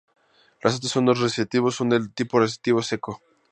Los otros dos son recitativos son del tipo recitativo "secco".